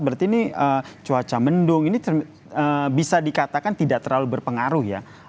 berarti ini cuaca mendung ini bisa dikatakan tidak terlalu berpengaruh ya